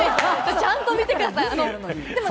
ちゃんと見てください。